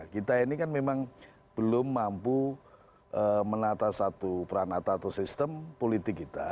kita ini kan memang belum mampu menata satu peran atau sistem politik kita